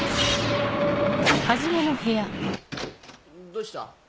どうした？